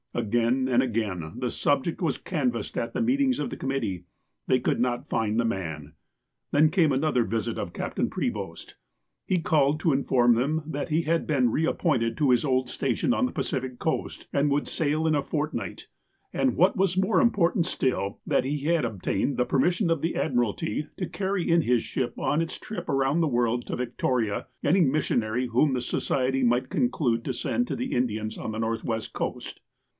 Again and again the subject was canvassed at the meetings of the committee. They could not find the man. Then came another visit of Captain Prevost. He called to inform them that he had been reappointed to his old station on the Pacific Coast, and would sail in a fort night, and, what was more important still, that he had obtained the permission of the Admiralty to carry in his ship on its trip around the world to Victoria any mission ary whom the Society might conclude to send to the In dians on the Northwest coast.